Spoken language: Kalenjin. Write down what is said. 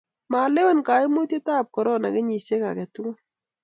malewen kaimutietab korona kenyisiek age tugul